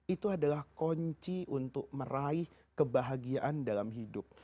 itu adalah kunci untuk meraih kebahagiaan dalam hidup